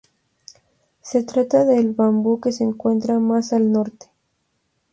Se trata del bambú que se encuentra más al norte.